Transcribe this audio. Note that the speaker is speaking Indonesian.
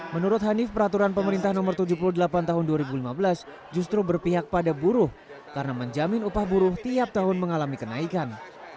menurut hanif peraturan pemerintah nomor tujuh puluh delapan tahun dua ribu lima belas justru berpihak pada buruh karena menjamin upah buruh tiap tahun mengalami kenaikan